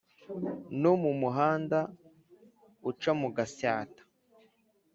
No mu muhanda uca mu Gasyata